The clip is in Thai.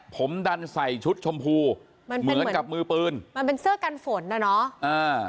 ผมดันใส่ชุดชมพูมันเหมือนกับมือปืนมันเป็นเสื้อกันฝนน่ะเนอะอ่า